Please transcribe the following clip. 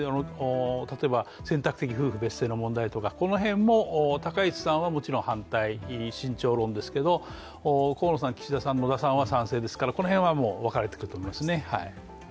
例えば選択的夫婦別姓の問題とか高市さんはもちろん反対、慎重論ですけど河野さん、岸田さん、野田さんは賛成ですからこの辺は分かれてくると思います。